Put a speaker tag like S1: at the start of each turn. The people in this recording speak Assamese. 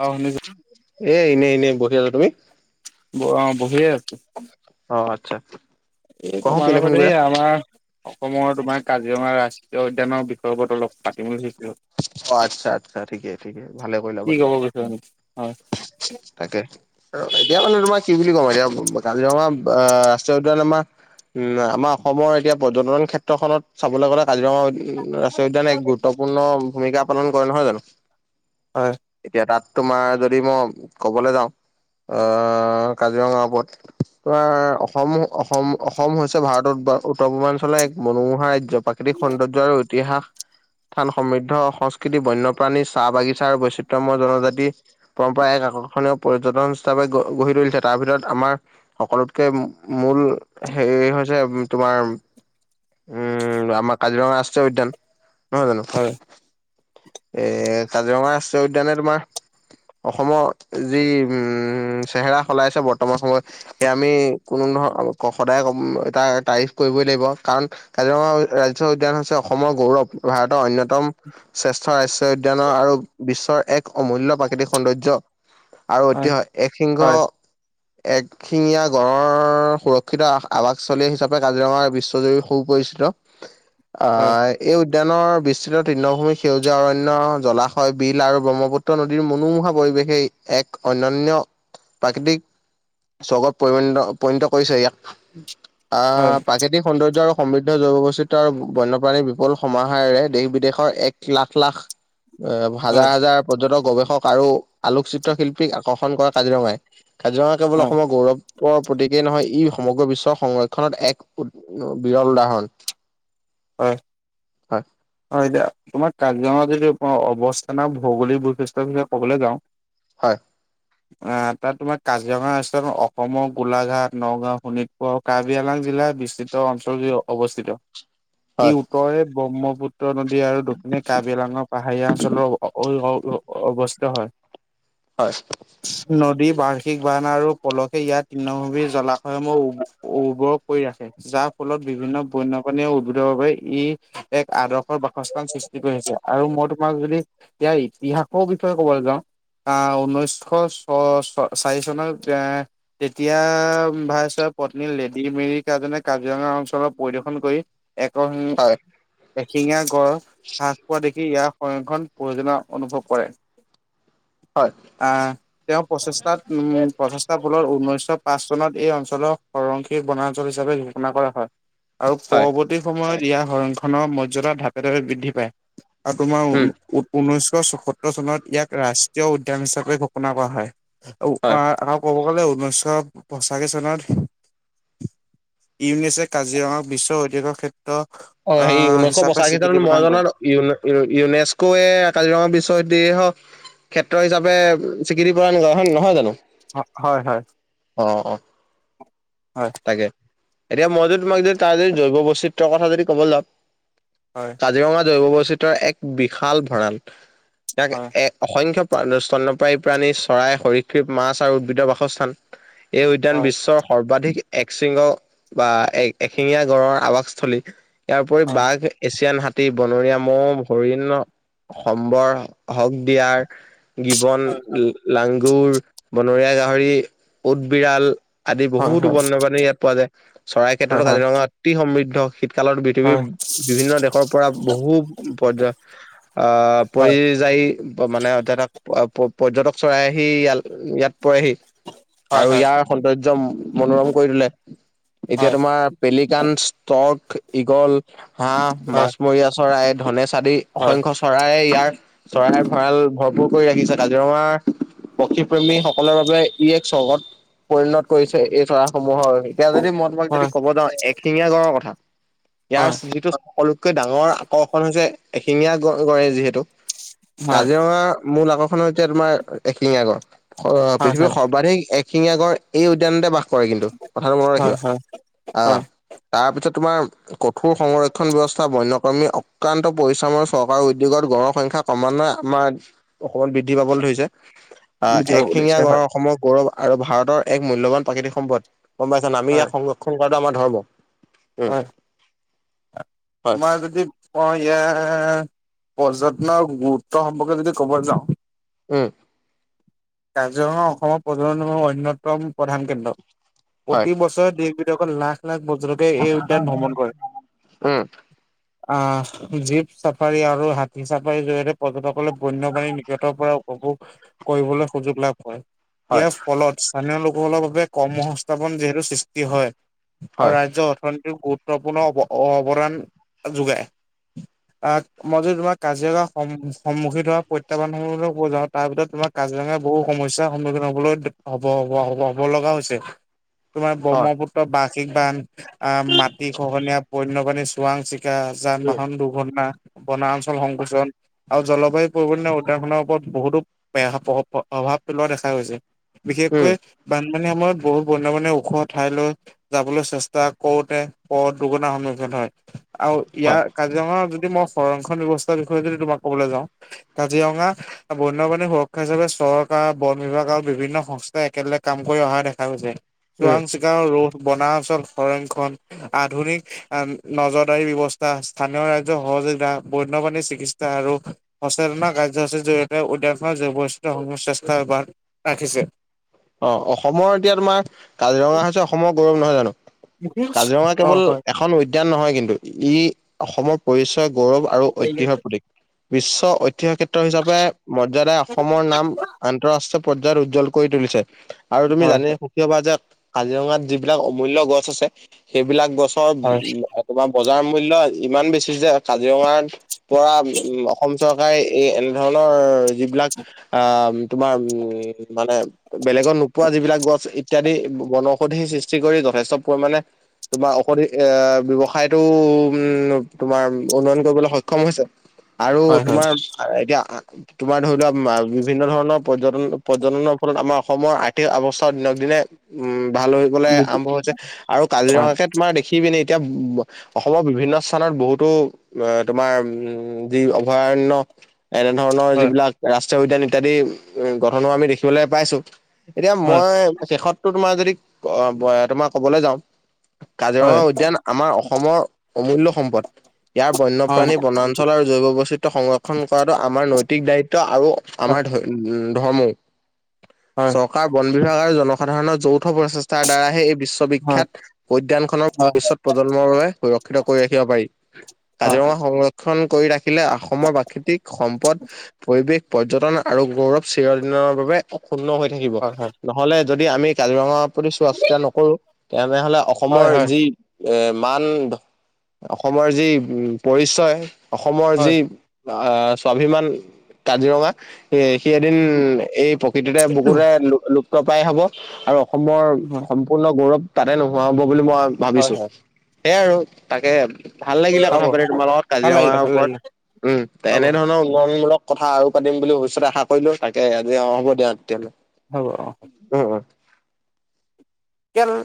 S1: অ শুনিছো।
S2: এ এনেই এনেই বহি আছো। তুমি?
S1: ব অ বহিয়ে আছো।
S2: অ আচ্ছা।
S1: এই
S2: কোৱাচোন
S1: তোমাৰ
S2: কেলে ফোন
S1: লগত এ
S2: কৰিলা
S1: আমাৰ অসমৰ তোমাৰ কাজিৰঙা ৰাষ্ট্ৰীয় উদ্যানৰ বিষয় ওপৰত অলপ পাতিম বুলি ভাবিছিলোঁ।
S2: অ আচ্ছা আচ্ছা ঠিকেই ঠিকেই ভালে কৰিলা
S1: কি ক'ব
S2: পাতিলি
S1: বিচৰা নো হয়
S2: তাকে এতিয়া মানে তোমাৰ কি বুলি কম এতিয়া কাজিৰঙা ৰাষ্ট্ৰীয় উদ্যান আমাৰ উম আমাৰ অসমৰ এতিয়া পৰ্যটন ক্ষেত্ৰখনত চাবলৈ গ'লে কাজিৰঙা ৰাষ্ট্ৰীয় উদ্যানে এক গুৰুত্বপূৰ্ণ ভূমিকা পালন কৰে নহয় জানো?
S1: হয়
S2: এতিয়া তাত তোমাৰ যদি মই ক'বলৈ যাওঁ আহ কাজিৰঙাৰ ওপৰত তোমাৰ অসম অসম অসম হৈছে ভাৰতৰ উত্তৰ পূৰ্বাঞ্চলৰ এক মনোমোহা ৰাজ্য প্ৰাকৃতিক সৌন্দৰ্য আৰু ইতিহাস স্থান সমৃদ্ধ, সংস্কৃতি, বন্যপ্ৰাণী, চাহ বাগিচ- ছাও বৈচিত্যময় জনজাতি পৰম্পৰা এক আকৰ্ষণীয় পৰ্যটন হিচাপে গ গঢ়ি তুলিছে তাৰ ভিতৰত আমাৰ সকলোতকে মূল হেই হৈছে তোমাৰ উম আমাৰ কাজিৰঙা ৰাষ্ট্ৰীয় উদ্যান নহয় জানো
S1: হয়
S2: এ কাজিৰঙা ৰাষ্ট্ৰীয় উদ্যানে তোমাৰ অসমৰ যি উম চেহেৰা সলাইছে বৰ্তমান সময়ত সেয়া আমি কোনো ধ সদায় এটা তাৰিফ কৰিবই লাগিব কাৰণ কাজিৰঙা ৰাজ্য উদ্যান হৈছে অসমৰ গৌৰৱ ভাৰতৰ অন্যতম শ্ৰেষ্ঠ ৰাষ্ট্ৰীয় উদ্যানৰ আৰু বিশ্বৰ এক অমূল্য প্ৰাকৃতিক সৌন্দৰ্য আৰু
S1: হয়
S2: ঐতিহ একসিংহ
S1: হয়
S2: এক শিঙীয়া গড়ৰ সুৰক্ষিত আ আৱাসস্থলী হিচাপে কাজিৰঙা বিশ্বজুৰি সু পৰিচিত
S1: হয়
S2: আহ এই উদ্যানৰ বিস্তৃত তৃৰ্ণভূমি সেউজীয়া অৰণ্য জলাশয় বিল আৰু ব্ৰহ্মপুত্ৰ নদীৰ মনোমোহা পৰিৱেশেই এক অন্যান্য প্ৰাকৃতিক স্বৰ্গত পৰিণ পৰিণত কৰিছে ইয়াক আহ
S1: হয়
S2: প্ৰাকৃতিক সৌন্দৰ্য আৰু সমৃদ্ধ জৈৱবৈচিত্ৰ্যৰ আৰু বন্যপ্ৰাণীৰ বিপল সমাহাৰেৰে দেশ বিদেশ অ এক লাখ লাখ এ হাজাৰ
S1: হয়
S2: হাজাৰ পৰ্যটক গৱেষক আৰু আলোকচিত্ৰ শিল্পীক আকৰ্ষণ কৰে কাজিৰঙাই কাজিৰঙা কেৱল
S1: হয়
S2: অসমৰ গৌৰৱ ত প্ৰতীকেই নহয় ই সমগ্ৰ বিশ্বৰ সংৰক্ষণত এক বিৰল উদাহৰণ
S1: হয়
S2: হয়
S1: হয় এতিয়া তোমাৰ কাজিৰঙা যদি অৱস্থানা ভৌগোলিক বৈশিষ্ট্য ৰ বিষয়ে কবলে যাওঁ
S2: হয়
S1: অ তাত তোমাক কাজিৰঙা ৰাষ্ট্ৰীয় অসমৰ গোলাঘাট নগাঁও শোণিত অ কাৰ্বি আলাং জিলাৰ বিস্তৃত অঞ্চলজুৰি অৱস্থিত ই
S2: হয়
S1: উত্তৰে ব্ৰহ্মপুত্ৰ নদী আৰু দক্ষিণে কাৰ্বি আলংক পাহাৰীয়া অঞ্চলৰ অঅঅ অৱস্থিত হয়
S2: হয়
S1: নদী বাৰ্ষিক বান আৰু পলসে ইয়াক তৃৰ্ণভূমিৰ জলাশয়সমূহ উ উৰ্বৰ কৰি ৰাখে। যাৰ ফলত বিভিন্ন বন্য প্ৰাণীয়ে উদ্ভিদকে ই এক আদৰ্শৰ বাসস্থান সৃষ্টি কৰিছে আৰু মই তোমাক যদি এতিয়াৰ ইতিহাসৰ বিষয়ে কবলে যাওঁ। আহ ঊনৈছশ ছ ছ চাৰি চনত এ তেতিয়া ভাই চোৱা পত্নী লেডী মেৰী কাৰজনে কাৰ্বিআলং অঞ্চলৰ পৰিদৰ্শ দৰ্শন কৰি
S2: হয় হয়
S1: এক এশিঙা গড় হ্ৰাস পোৱা দেখি ইয়াৰ সংৰক্ষণ প্ৰয়োজনা অনুভৱ কৰে
S2: হয়।
S1: আ তেওঁ প্ৰচেষ্টাত উম প্ৰচেষ্টা বলত ঊনৈশ পাঁচ চনত এই অঞ্চলৰ সৰংশী বনাঞ্চল হিচাপে ঘো ঘোষণা কৰা হয় আৰু
S2: হয়
S1: পৰৱৰ্তী সময়ত ইয়াৰ হৰংক্ষণৰ মৰ্যাদা ধাপে ধাপে বৃদ্ধি পায়। আৰু তোমাৰ
S2: উম
S1: ঊনৈশ চৌসত্তৰ চনত ইয়াক ৰাষ্ট্ৰীয় উদ্যান হিচাপে ঘোষণা কৰা হয়। অ
S2: হয়
S1: আও কব বলে ঊনৈছশ পঁচাশী চনত ইউনিছে কাজিৰঙাক বিশ্বৰ ঐতিহ্য ক্ষেত্ৰ
S2: অ হেৰি
S1: আহ
S2: ঊনৈশ
S1: হিচাপে
S2: পঁচাশী চনত
S1: স্বীকৃতি
S2: মই
S1: প্ৰদান কৰে।
S2: জনাত ইউ ইউনেস্কৱে কাজিৰঙা বিশ্ব উইদেহি হওঁক ক্ষেত্ৰ হিচাপে স্বীকৃতি প্ৰদান কৰে হয়, নহয় জানো?
S1: হয় হয়
S2: অ',
S1: হয়
S2: তাকে। এতিয়া মই যদি তোমাক যদি তাৰ যদি জৈৱ বৈচিত্ৰৰ কথা যদি ক'ব যাও
S1: হয়
S2: কাজিৰঙা জৈৱ বৈস্থিত্ৰৰ এক বিশাল ভঁৰাল, ইয়াক
S1: হয়।
S2: এ অসংখ্য প্ৰা স্তনপ্ৰায়ী প্ৰাণী চৰাই হৰিক্ষিপ মাছ আৰু উদ্ভিদৰ বাসস্থান। এই উদ্যান
S1: হয়
S2: বিশ্বৰ সৰ্বাধিক এক চিংগ বা এক এশিঙীয়া গড়ৰ আৱাসস্থলী। ইয়াৰ উপৰি
S1: হয়
S2: বাঘ, এছিয়ান হাত তি বনৰীয়া ম'হ, হৰিণ সম্বৰ, হক দিয়াৰ। গিবন, লাংগুৰ, বনৰীয়া গাহৰি, উট বিৰাল। আদি
S1: হয়
S2: বহুতো
S1: হয়
S2: বন্যপাণী ইয়াত পোৱা যায়, চৰাইৰ
S1: হয়
S2: ক্ষেত্ৰতো কাজিৰঙা, অতি সমৃদ্ধ শীতকালত পৃথিৱীৰ,
S1: হয়
S2: বিভিন্ন দেশৰ পৰা বহু পৰ্য আহ
S1: হয়
S2: পৰি যায়, মানে তাত, পৰ্যটক চৰাই আহি ইয়া ইয়াতে আহি পৰেহি।
S1: হয়
S2: আৰু
S1: হয়
S2: ইয়াৰ সৌন্দৰ্য মনোৰম কৰি তোলে, এতিয়া
S1: হয়
S2: তোমাৰ পেলিকান, ষ্টৰ্ক, ইগল, হাঁহ,
S1: হয়
S2: মাছমৰীয়া চৰাই, ধনেশ আদি
S1: হয়
S2: অসংখ্য চৰাই ইয়াৰ, চৰাই ভঁৰাল ভৰপূৰ কৰি ৰাখিছে কাজিৰঙাৰ পক্ষীপ্ৰেমী সকলৰ বাবে ই এক স্বগত, পৰিণত কৰিছে এই চৰাইসমূহৰ। এতিয়া যদি মই তোমাক
S1: হয় হয় হয়
S2: যদি ক'ব যাওঁ এশিঙীয়া গড়ৰ কথা।
S1: হয়
S2: ইয়াৰ যিটো সকলোতকৈ ডাঙৰ আকৰ্ষণ হৈছে এশিঙীয়া গড় গড়ে যিহেতু।
S1: হয়
S2: কাজিৰঙা মূল আগৰখন হৈছে তোমাৰ, এশিঙিয়া গড় অ,
S1: হয়
S2: পৃথিৱীৰ সৰ্বাধিক এক শিঙীয়া গড় এই উদ্যানতে বাস কৰে কিন্তু কথাটো মনত
S1: হয়
S2: ৰাখিবা,
S1: হয়
S2: আহঁ।
S1: হয়
S2: তাৰপিছত তোমাৰ কঠোৰ সংৰক্ষণ ব্যৱস্থা বন্যকৰ্মী অক্ৰান্ত পৰিশ্ৰমৰ চৰকাৰৰ উদ্যোগত গঢ়ৰ সংখ্যা সমান্বয় আমাৰ, অসমত বৃদ্ধি পাবলৈ ধৰিছে। আহ
S1: বুজিব
S2: একশিঙীয়া
S1: পাৰিছে হয়
S2: গড়ৰ অসমৰ গৌৰৱ আৰু ভাৰতৰ এক মূল্যবান প্ৰাকৃতিক সম্পদ। গম পাইছানে, আমি
S1: হয়
S2: ইয়াক সংৰক্ষণ কৰাটো আমাৰ ধৰ্ম। উম
S1: হয়,
S2: হয়
S1: মই যদি মই ইয়া, পৰ্যটকৰ গুৰুত্বৰ সম্পৰ্কে যদি ক'ব যাওঁ
S2: উম,
S1: কাজিৰঙা অসমৰ পৰ্যটনৰ অন্যতম প্ৰধান কেন্দ্ৰ।
S2: হয়
S1: প্ৰতিবছৰে দেশবিলাকৰ লাখ লাখ বজাৰৰ
S2: উম,
S1: আঁহ জীপ চাফাৰী আৰু হাতী চাফাৰীৰ জৰিয়তে পৰ্যটকসকলে বন্যপাণীৰ নিকটৰ পৰা [unintelligible] কৰিবলৈ সুযোগ লাভ হয়,
S2: হয়
S1: ইয়াৰ ফলত স্থানীয় লোকসকলৰ বাবে কৰ্ম সংস্থাপন যিহেতু সৃষ্টি হয়, আৰু
S2: হয়
S1: ৰাজ্যৰ অৰ্থনী গুৰুত্বপূৰ্ণ অ, অৱদান যোগায়।
S2: [unintelligible]
S1: আহ, মই যদি তোমাৰ কাজিয়ঙা সম সন্মুখীন হোৱা প্ৰত্যাহ্বানসমূহ কব যাওঁ তাৰ ভিতৰত তোমাক কাজিৰঙাৰ বহু সমস্যাৰ সন্মুখীন হবলৈ হব, হব, হব, লগা হৈছে।
S2: [inaudible]
S1: তোমাৰ
S2: হয়
S1: ব্ৰহ্মপুত্ৰ বাৰ্ষিক বান, আহ মাটি খহনীয়া পণ্য। [unintelligible] চোৱাং চিকা যান
S2: উম
S1: বাহন দুৰ্ঘটনা, বনা অঞ্চল সংকোচন। আৰু জলবায়ু পৰিৱণ উদ্যাহৰনৰ ওপৰত বহুতো [unintelligible] প্ৰভাৱ পেলোৱা দেখা গৈছে,
S2: উম
S1: বিশেষকৈ বানপানীৰ সময়ত বহুত [unintelligible] ওখ ঠাই লৈ। যাবলৈ চেষ্টা কৰোতে, প দুৰ্ঘনাৰ সন্মুখীন হয়, আৰু
S2: হয়
S1: ইয়াৰ কাৰ [unintelligible] যদি মই সংৰক্ষণ ব্যৱস্থাৰ বিষয়ে যদি তোমাক কবলৈ যাওঁ, কাজিৰঙা বন্যপ্ৰাণীৰ সুৰক্ষা হিচাপে চৰকাৰ বন বিভাগ আৰু বিভিন্ন সংস্থাই একেলগে কাম কৰি অহা দেখা গৈছে।
S2: উম।
S1: চোৱাং চিকাৰ ৰোড বনাঞ্চল সংৰক্ষণ আধুনিক নজৰদাৰী ব্যৱস্থা স্থানীয় ৰাইজৰ সহযোগিতা বন্যপ্ৰাণীৰ চিকিৎসা আৰু সচেতনা কাৰ্যসূচীৰ জৰিয়তে [unintelligible] ৰাখিছে।
S2: অঁ অসমৰ এতিয়া তোমাৰ কাজিৰঙা হৈছে অসমৰ গৌৰৱ নহয় জানো? কাজিৰঙা
S1: অ'
S2: কেৱল
S1: হয়।
S2: এখন উদ উদ্যান নহয় কিন্তু ই অসমৰ পৰিচয়, গৌৰৱ আৰু
S1: হয়,
S2: ঐতিহ্যৰ প্ৰতীক, বিশ্ব ঐতিহাসিক ক্ষেত্ৰ হিচাপে মৰ্যাদাই অসমৰ নাম আন্তঃৰাষ্ট্ৰীয় পৰ্যায়ত উজ্জ্বল কৰি তুলিছে। আৰু
S1: হয়,
S2: তুমি
S1: হয়,
S2: জানি সুখী হ'বা যে, কাজিৰঙাত যিবিলাক অমূল্য গছ আছে সেইবিলাক গছ
S1: হয়।
S2: [unintelligible] তোমাৰ বজাৰ মূল্য ইমান বেছি যে কাজিৰঙাৰ পৰা, উম অসম চৰকাৰে এই এনে ধৰণৰ যিবিলাক আহ তোমাৰ উম মানে বেলেগত নোপোৱা যিবিলাক গছ ইত্যাদি বনৌষধি সৃষ্টি কৰি যথেষ্ট পৰিমাণে তোমাৰ ঔষধি এ ব্যৱসায়টো উম তোমাৰ উন্নয়ন কৰিবলৈ সক্ষম হৈছে। আৰু
S1: হয়, হয়,
S2: তোমাৰ এতিয়া আ তোমাৰ ধৰি লোৱা বিভিন্ন ধৰণৰ পৰ্যটন পৰ্যটনৰ ফলত আমাৰ অসমৰ আৰ্থিক অৱস্থাও দিনক দিনে উম ভাল হৈবলে আৰম্ভ হৈছে আৰু
S1: হয়,
S2: কাজিৰঙাকে তোমাৰ দে সি পিনে এতিয়া অসমৰ বিভিন্ন স্থানত বহুতো এ তোমাৰ উম যি অভয়াৰণ্য এনে ধৰণৰ
S1: হয়,
S2: যিবিলাক ৰাষ্ট্ৰীয় উদ্যান ইত্যাদি গঠন হোৱা আমি দেখিবলৈ পাইছো। এতিয়া
S1: হয়,
S2: মই শেষতটো তোমাৰ যদি তোমাৰ কবলে যাওঁ কাজিৰঙা
S1: হয়,
S2: উদ্যান আমাৰ অসমৰ অমূল্য সম্পদ ইয়াৰ
S1: হয়, হয়, হয়, হয়, হয়, হয়।
S2: বন্যপ্ৰাণী বনান অঞ্চলৰ জৈৱ বৈচিত্ৰ্য সংৰক্ষণ কৰাটো আমাৰ নৈতিক দায়িত্ব আৰু
S1: হয়,
S2: আমাৰ ধৰ্মও।
S1: হয়,
S2: চৰকাৰ বন বিভাগে আৰু জনসাধাৰণৰ যৌথ প্ৰচেষ্টা দ্বাৰাহে এই
S1: হয়,
S2: বিশ্ববিখ্যাত উদ্যয়ানখনৰ ভৱিষ্যত প্ৰজন্ম বাবে সুৰক্ষিত কৰি ৰাখিব পাৰি, কাজিৰঙা সংৰক্ষ ক্ষণ কৰি ৰাখিলে অসমৰ প্ৰাকৃতিক সম্পদ পৰিৱেশ পৰ্যটন আৰু গৌৰৱ চিৰদনৰ বাবে অক্ষুন্ন হৈ থাকিব নহলে যদি আমি কাজিৰঙা প্ৰতি চোৱা-চিতা নকৰো তেনেহলে অসমৰ যি এ মান অসমৰ যি উ পৰিচয় অসমৰ যি আহ স্বাভিমান কাজিৰঙা সি এদিন এই প্ৰকৃতিতে বুকুতে লুপ্ত লুপ্তপ্ৰায় হব আৰু অসমৰ সম্পূৰ্ণ গৌৰৱ তাতে নোহোৱা হ'ব বুলি মই
S1: হয়, হয়,
S2: ভাবিছো সেয়াই আৰু তাকে ভাল লাগিলে
S1: হ'ব।
S2: কথা পাতি তোমাৰ লগত
S1: ভাল
S2: কাজিৰঙাৰ
S1: লাগিলে, ভাল
S2: ওপৰত,
S1: লাগিলে,
S2: উম
S1: হ'ব,
S2: এনেধৰণৰ উন্নয়নমূলক কথা আৰু পাতিম বুলি ভৱিষ্যতে আশা কৰিলো তাকে আ অ হ'ব দিয়া তেতিয়াহ'লে।
S1: হ'ব।
S2: উম উম।
S1: কেল